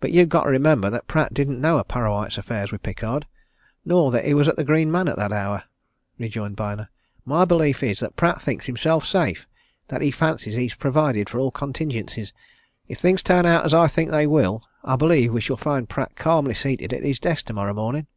"But you've got to remember that Pratt didn't know of Parrawhite's affairs with Pickard, nor that he was at the Green Man at that hour," rejoined Byner. "My belief is that Pratt thinks himself safe that he fancies he's provided for all contingencies. If things turn out as I think they will, I believe we shall find Pratt calmly seated at his desk tomorrow morning."